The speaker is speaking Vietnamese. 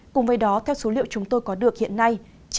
cùng với đó theo số liệu chúng tôi có được hiện nay